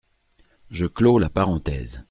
Je clos la parenthèse.